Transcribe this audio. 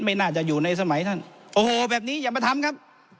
ไม่น่าจะอยู่ในสมัยท่านโอ้โหแบบนี้อย่ามาทำครับ